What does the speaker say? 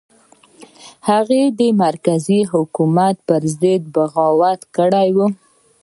هغه د مرکزي حکومت پر خلاف بغاوت کړی و.